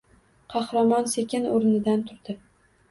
Qahramon sekin o‘rnidan turdi.